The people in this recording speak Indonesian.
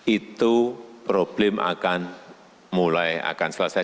itu problem akan mulai akan selesai